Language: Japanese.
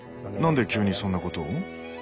何で急にそんなことを？